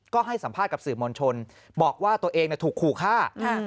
ก็ให้สัมภาษณ์กับสื่อมวลชนบอกว่าตัวเองถูกขู่ฆ่า